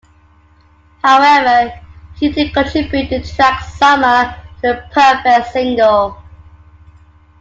However, he did contribute the track "Summer" to the "Perfect" single.